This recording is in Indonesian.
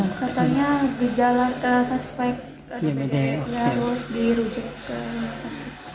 katanya disaspek dbd terus dirujuk ke sakit